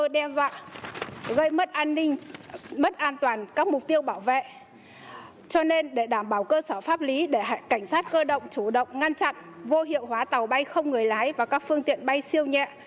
cho nên để đảm bảo cơ sở pháp lý để cảnh sát cơ động chủ động ngăn chặn vô hiệu hóa tàu bay không người lái và các phương tiện bay siêu nhẹ